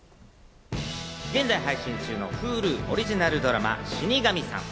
現在配信中のＨｕｌｕオリジナルドラマ『死神さん』。